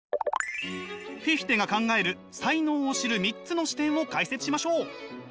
フィヒテが考える才能を知る３つの視点を解説しましょう！